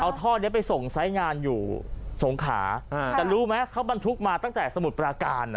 เอาท่อนี้ไปส่งสายงานอยู่สงขาแต่รู้ไหมเขาบรรทุกมาตั้งแต่สมุทรปราการ